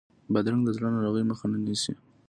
بادرنګ د زړه ناروغیو مخه نیسي.